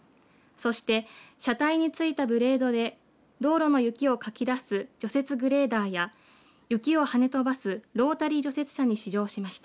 そして、車体についたブレードで道路の雪をかき出す除雪グレーダーや雪をはね飛ばすロータリ除雪車に試乗しました。